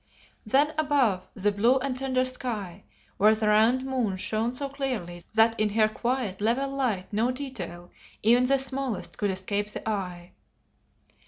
Then above, the blue and tender sky, where the round moon shone so clearly that in her quiet, level light no detail, even the smallest, could escape the eye.